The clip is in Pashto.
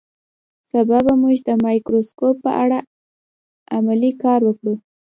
سبا به موږ د مایکروسکوپ په اړه عملي کار وکړو